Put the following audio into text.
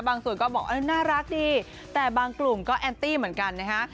ก็บอกว่าน่ารักดีแต่บางกลุ่มก็แอนตี้เหมือนกันนะฮะ